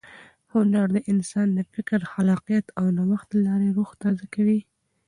هنر د انسان د فکر، خلاقیت او نوښت له لارې روح تازه کوي.